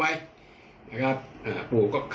อ๋ออาจารย์ฟิลิป